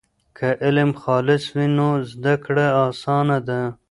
که علم خالص وي نو زده کړه اسانه ده.